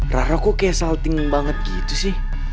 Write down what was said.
rara kok kayak salting banget gitu sih